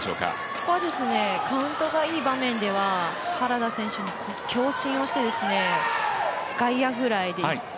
ここはカウントがいい場面では原田選手、強振をして外野フライで、１点。